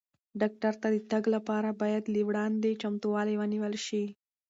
ډاکټر ته د تګ لپاره باید له وړاندې چمتووالی ونیول شي.